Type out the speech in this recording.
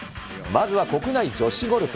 まずは国内女子ゴルフ。